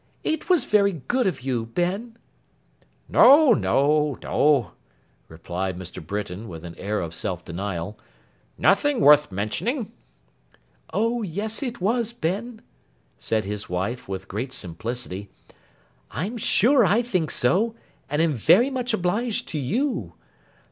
'It was very good of you, Ben.' 'No, no, no,' replied Mr. Britain, with an air of self denial. 'Nothing worth mentioning.' 'Oh yes it was, Ben,' said his wife, with great simplicity; 'I'm sure I think so, and am very much obliged to you.